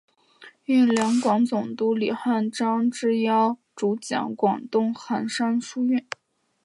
应两广总督李瀚章之邀主讲广东韩山书院。